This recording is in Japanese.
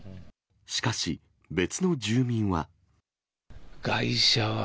しかし別の住民は。